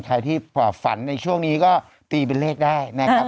ใครที่ฝันในช่วงนี้ก็ตีเป็นเลขได้นะครับ